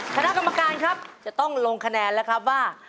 คณะกรรมการครับจะต้องลงคะแนนแล้วครับว่า